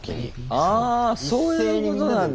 あそういうことなんだ。